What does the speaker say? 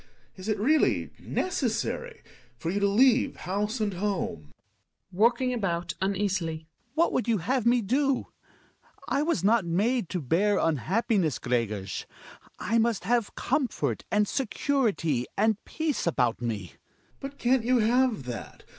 Is it really necessary for you to leave house and home ? Hjalmar (walking about uneasily). What would you have me do? I was not made to bear unhappiness, Gregers. I must have comfort, and security, and peace about me. Gregers. But can't you have that?